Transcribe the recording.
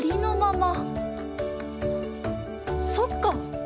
そっか！